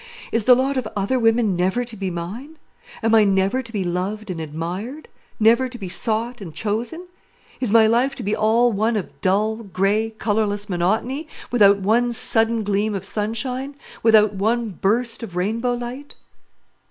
is the lot of other women never to be mine? Am I never to be loved and admired; never to be sought and chosen? Is my life to be all of one dull, grey, colourless monotony; without one sudden gleam of sunshine, without one burst of rainbow light?"